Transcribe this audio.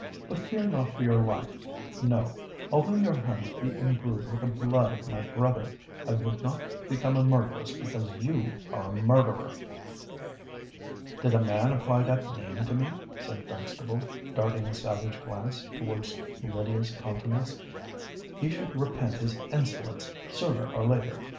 "But fear not for your life. No:—although your hands be imbrued with the blood of my brother, I would not become a murderess because you are a murderer." "Did a man apply that name to me," said Dunstable, darting a savage glance towards Lydia's countenance, "he should repent his insolence sooner or later."